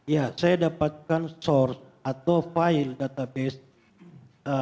ya saya dapatkan source atau file database